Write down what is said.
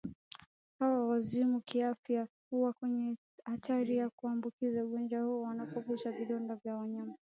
hawa wazima kiafya huwa kwenye hatari ya kuambukizwa ugonjwa huu wanapogusa vidonda vya wanyama